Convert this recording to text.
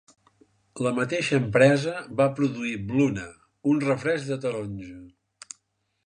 La mateixa empresa va produir Bluna, un refresc de taronja.